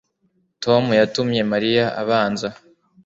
Tom yatumye Mariya abanza